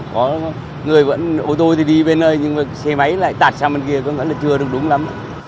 có người vẫn ô tô thì đi bên nơi nhưng mà xe máy lại tạt sang bên kia vẫn là chưa được đúng lắm